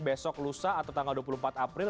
besok lusa atau tanggal dua puluh empat april